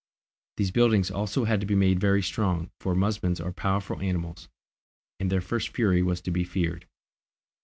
These buildings had also to be made very strong, for musmons are powerful animals, and their first fury was to be feared.